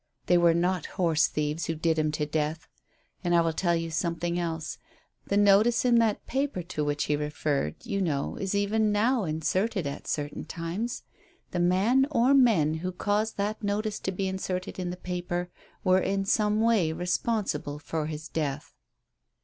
They were not horse thieves who did him to death. And I will tell you something else. The notice in that paper to which he referred you know is even now inserted at certain times. The man or men who cause that notice to be inserted in the paper were in some way responsible for his death."